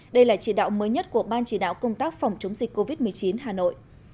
đây là chỉ đạo mới nhất của ban chỉ đạo công tác phòng chống dịch covid một mươi chín hà nội